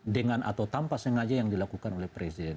dengan atau tanpa sengaja yang dilakukan oleh presiden